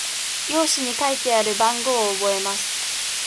用紙に書いてある番号を覚えます。